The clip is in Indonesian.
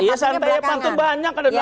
iya santai ya pantu banyak ada delapan